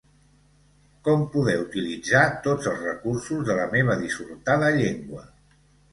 ¿Com poder utilitzar tots els recursos de la meva dissortada llengua?